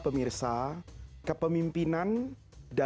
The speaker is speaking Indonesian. terima kasih sudah bersama kami